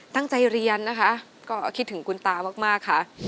ตั้งใจเรียนนะคะก็คิดถึงคุณตามากค่ะ